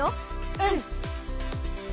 うん。